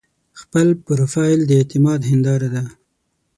خپل پروفایل د اعتماد هنداره ده.